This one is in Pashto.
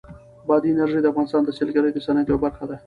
بادي انرژي د افغانستان د سیلګرۍ د صنعت یوه برخه ده.